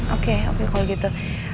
oke oke kalau gitu